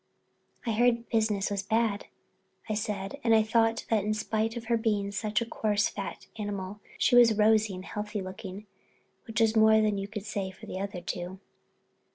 "I heard business was bad," I said, and thought that in spite of her being such a coarse, fat animal, she was rosy and healthy looking, which was more than you could say for the other two.